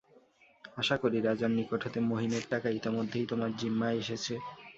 আশা করি রাজার নিকট হতে মহিনের টাকা ইতোমধ্যেই তোমার জিম্মায় এসেছে।